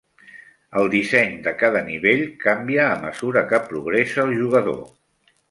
El disseny de cada nivell canvia a mesura que progressa el jugador.